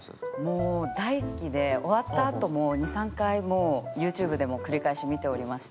もう大好きで終わったあとも２３回ＹｏｕＴｕｂｅでも繰り返し見ておりまして。